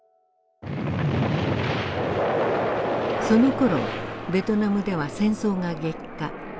そのころベトナムでは戦争が激化。